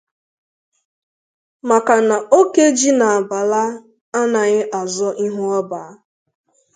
maka na oke ji na abàlà anaghị azọ ihu ọba.